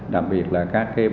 đặc biệt là các trang mạng xã hội